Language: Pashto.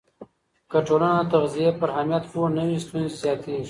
که ټولنه د تغذیې پر اهمیت پوهه نه وي، ستونزې زیاتېږي.